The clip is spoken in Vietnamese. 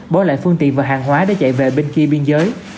bỏ lại phương tiện và hàng hóa để chạy về bên kia biên giới